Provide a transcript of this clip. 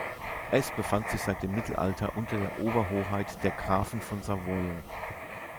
Es befand sich seit dem Mittelalter unter der Oberhoheit der Grafen von Savoyen.